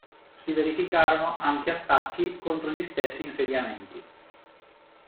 Si verificarono anche attacchi contro gli stessi insediamenti.